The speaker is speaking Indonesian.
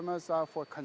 perangkat yang diberikan